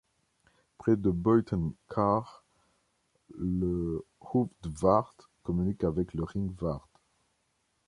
Près de Buitenkaag, le Hoofdvaart communique avec le Ringvaart.